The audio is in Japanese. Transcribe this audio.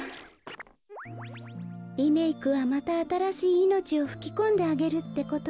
リメークはまたあたらしいいのちをふきこんであげるってことなのよ。